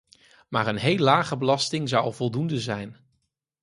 Maar een heel lage belasting zou al voldoende zijn.